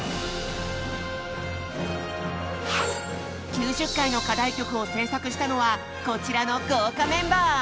９０回の課題曲を制作したのはこちらの豪華メンバー。